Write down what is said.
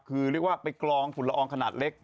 คือเรียกว่าไปกรองฝุ่นละอองขนาดเล็ก